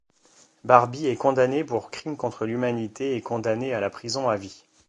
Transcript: Barbie est condamné pour crime contre l'humanité et condamné à la prison à vie.